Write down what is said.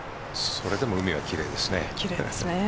それでも海はきれいですね。